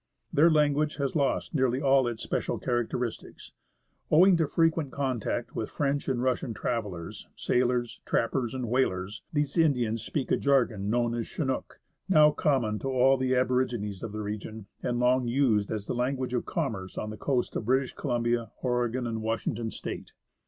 Their language has lost nearly all its special characteristics. Owing to frequent contact with French and Russian travellers, sailors, trappers, and whalers, these Indians speak a jargon known as " Chinook," now common to all the aborigines of the region and long used as the language of commerce on the coast of British Columbia, Oregon, and Washington State.